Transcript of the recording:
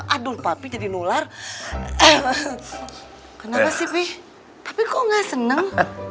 aduh tapi jadi nular eh kenapa sih tapi kok nggak seneng